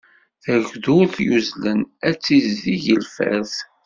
Tagdurt yuzlen ad tzizdeg lfert.